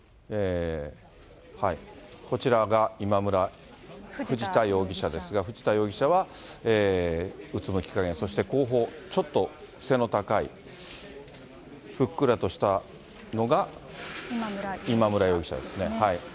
こちらが藤田容疑者ですが、藤田容疑者はうつむきかげん、そして後方、ちょっと背の高い、ふっくらとしたのが今村容疑者ですね。